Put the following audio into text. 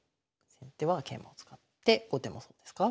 先手は桂馬を使って後手もそうですか？